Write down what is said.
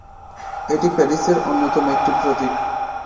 এটি প্যারিসের অন্যতম একটি প্রতীক।